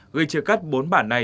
gây chia cắt bốn bản